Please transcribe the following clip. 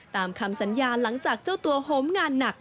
ตามคำสัญญาหลังจากเจ้าตัวโหมงานหนัก